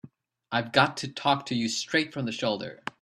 I've got to talk to you straight from the shoulder.